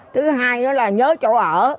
thứ hai nữa là nhớ chỗ ở